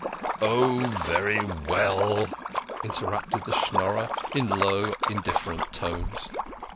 Oh, very well," interrupted the Schnorrer, in low, indif ferent tones.